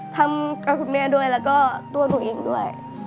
ทำกับคุณแม่ด้วยแล้วก็ตัวหนูเองด้วย